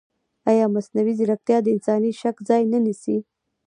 ایا مصنوعي ځیرکتیا د انساني شک ځای نه نیسي؟